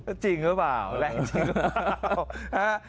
ก็จริงหรือเปล่าแรงจริงหรือเปล่า